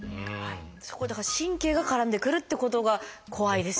そこにだから神経が絡んでくるっていうことが怖いですよね。